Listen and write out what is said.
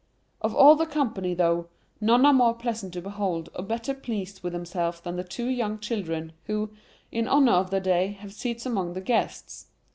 Of all the company though, none are more pleasant to behold or better pleased with themselves than two young children, who, in honour of the day, have seats among the guests.